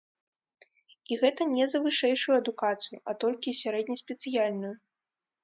І гэта не за вышэйшую адукацыю, а толькі сярэднеспецыяльную!